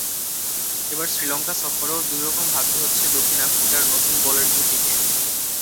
এবার শ্রীলঙ্কা সফরেও দুই রকম ভাগ্য হচ্ছে দক্ষিণ আফ্রিকার নতুন বলের জুটিকে।